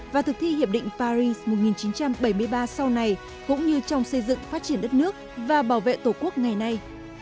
và thực thi hiệp định paris một nghìn chín trăm bảy mươi ba sau này cũng như trong xây dựng phát triển đất nước và bảo vệ tổ quốc ngày nay